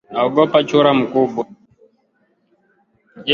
Jeshi la bwana